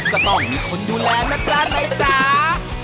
ก็ต้องมีคนดูแลนะจ๊ะนายจ๋า